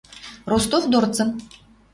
Ростов дорцын...